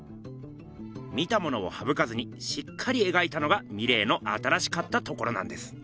見たものをはぶかずにしっかり描いたのがミレーの新しかったところなんです。